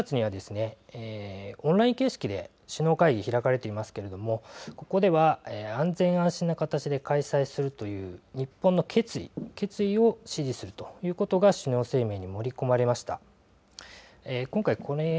ことし２月にはオンライン形式で首脳会議が開かれていますけれどもここでは安全安心な形で開催するという日本の決意を支持するということが首脳声明に盛り込まれました。